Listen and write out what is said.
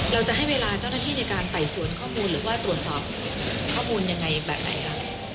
เราจะให้เวลาเจ้าหน้าที่ในการไต่สวนข้อมูลหรือว่าตรวจสอบข้อมูลยังไงแบบไหนคะ